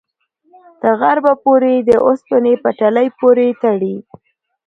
تر غربه پورې یې د اوسپنې پټلۍ پورې تړي.